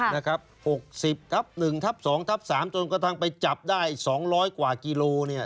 นะครับ๖๐ทับ๑ทับ๒ทับ๓จนกระทั่งไปจับได้๒๐๐กว่ากิโลเนี่ย